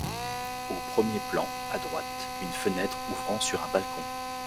Au premier plan, à droite, une fenêtre ouvrant sur un balcon.